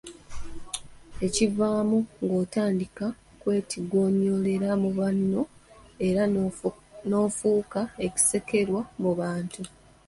Ekivaamu ng'otandika kwetigoonyolera mu banno, era n'ofuuka ekisekererwa mu bantu.